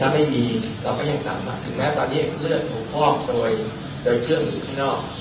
ถ้าไม่มีเราก็ยังสามารถถึงแม้ตอนนี้เลือดถูกพร่อมโดยเครื่องหลุดข้างนอก